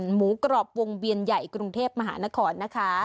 หมูกรอบวงเวียนใหญ่กรุงเทพมหานครนะคะ